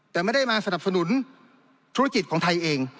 แต่ไม่ได้มาสนับสนุนธุรกิจของไทยเอง